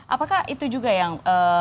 apakah itu juga yang